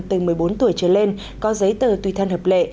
từ một mươi bốn tuổi trở lên có giấy tờ tùy thân hợp lệ